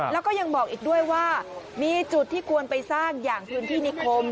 แล้วก็ยังบอกอีกด้วยว่ามีจุดที่ควรไปสร้างอย่างพื้นที่นิคม